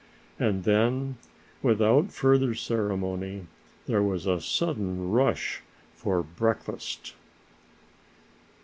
And then without further ceremony there was a sudden rush for breakfast.